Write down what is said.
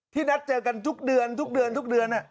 นัดเจอกันทุกเดือนทุกเดือนทุกเดือน